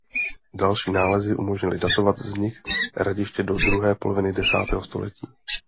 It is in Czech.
Další nálezy umožnily datovat vznik hradiště do druhé poloviny desátého století.